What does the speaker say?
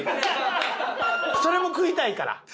それも食いたいから。